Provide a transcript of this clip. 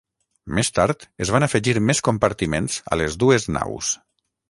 Més tard, es van afegir més compartiments a les dues naus.